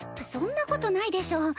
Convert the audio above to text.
そんなことないでしょ。